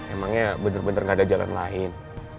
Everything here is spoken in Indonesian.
emangnya bener bener gak ada jalan lain